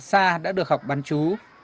xa đã được học bán chú